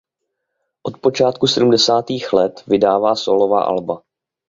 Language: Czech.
Od počátku sedmdesátých let vydává sólová alba.